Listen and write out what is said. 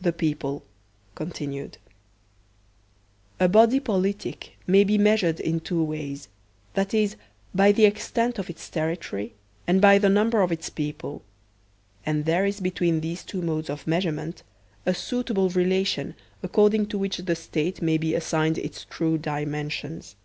The People (Continued) A BODY politic may be measured in two ways, viz, by the extent of its territory, and by the number of its people; and there is between these two modes of measure ment a suitable relation according to which the State may be assigned its true dimensions.